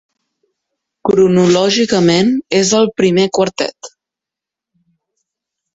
Cronològicament és el primer quartet.